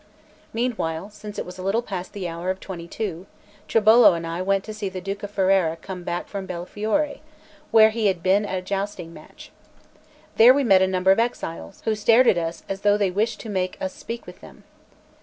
Meanwhile, since it was a little past the hour of twenty two, Tribolo and I went to see the Duke of Ferrara come back from Belfiore, where he had been at a jousting match. There we met a number of exiles, who stared at us as though they wished to make us speak with them.